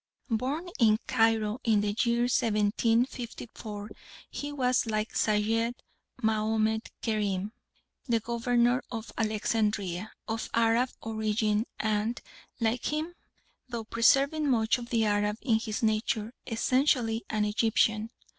Born in Cairo in the year 1754, he was like Sayed Mahomed Kerim, the Governor of Alexandria, of Arab origin, and, like him, though preserving much of the Arab in his nature, essentially an Egyptian.